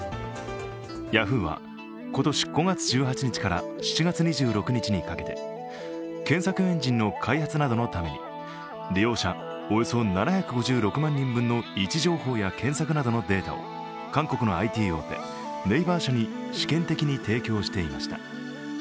ヤフーは今年５月１８日から７月２６日にかけて検索エンジンの開発などのために利用者およそ７５６万人分の位置情報や検索などのデータを韓国のＩＴ大手・ＮＡＶＥＲ社に試験的に提供していました。